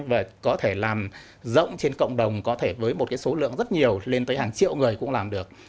và có thể làm rộng trên cộng đồng có thể với một cái số lượng rất nhiều lên tới hàng triệu người cũng làm được